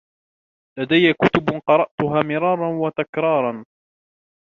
لدي كُتب قرأتها مرارا وتكرارا.